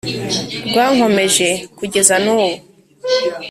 rwankomeje kugeza n’ubu